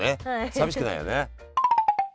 寂しくないよね。